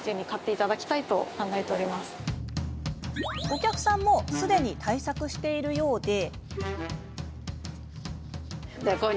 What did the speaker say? お客さんもすでに対策をしているようで。